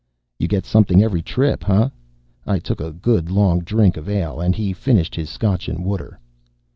"You get something every trip, hah?" I took a good, long drink of ale and he finished his scotch and water.